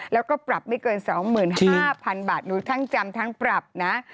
แล้วก็ปรับไม่เกิน๒๕๐๐๐บาทหนูทั้งจำทั้งปรับนะ